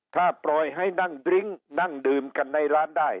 ถ้าปล่อยให้นั่งดริ้งนั่งดื่มกันในร้านได้